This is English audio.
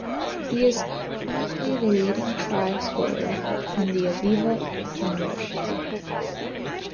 He is currently the leading try scorer in the Aviva Premiership.